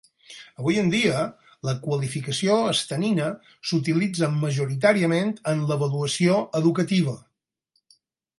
Avui en dia, la qualificació estanina s'utilitza majoritàriament en l'avaluació educativa.